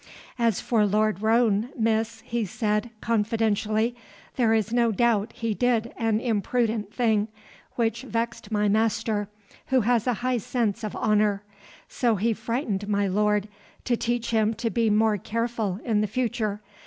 "As for Lord Roane, miss," he said, confidentially, "there is no doubt he did an imprudent thing, which vexed my master, who has a high sense of honor; so he frightened my lord, to teach him to be more careful in the future.